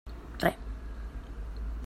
Re.